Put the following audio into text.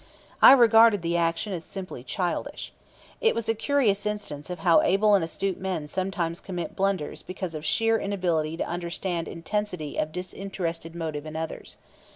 I regarded the action as simply childish. It was a curious instance of how able and astute men sometimes commit blunders because of sheer inability to understand intensity of disinterested motive in others.